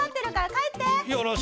帰って！